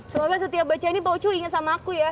semoga setiap baca ini pak ocu inget sama aku ya